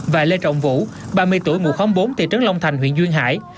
và lê trọng vũ ba mươi tuổi ngụ khóm bốn thị trấn long thành huyện duyên hải